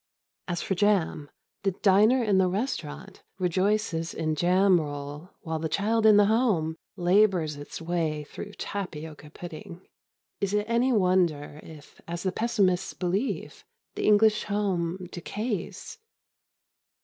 As for jam, the diner in the restaurant rejoices in jam roll while the child in the home labours its way through tapioca pudding. Is it any wonder if, as the pessimists believe, the English home decays?